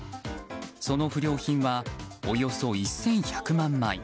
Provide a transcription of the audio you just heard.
その不良品はおよそ１１００万枚。